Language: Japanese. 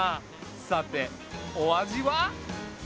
さてお味は？